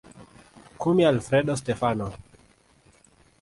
Kumi Alfredo Stefano